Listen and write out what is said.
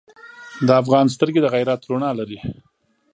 د افغان سترګې د غیرت رڼا لري.